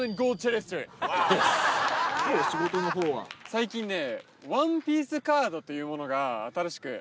最近ね。